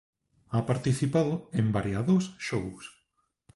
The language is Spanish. Ha participado en variados Shows.